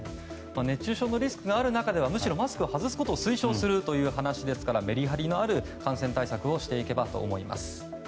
熱中症のリスクがある中ではむしろマスクを外すことを推奨するということですからメリハリのある感染対策をしていければと思います。